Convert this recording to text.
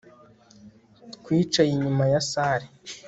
Twicaye inyuma ya salle